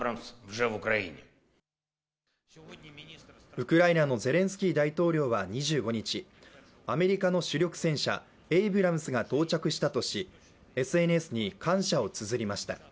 ウクライナのゼレンスキー大統領は２５日アメリカの主力戦車、エイブラムスが到着したとし、ＳＮＳに感謝をつづりました。